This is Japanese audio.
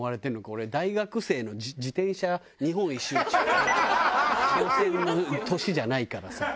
俺大学生の自転車日本一周挑戦の年じゃないからさ。